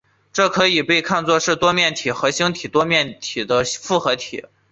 这可以被看作是多面体和星形多面体的复合体。